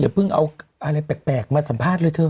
เพิ่งเอาอะไรแปลกมาสัมภาษณ์เลยเธอ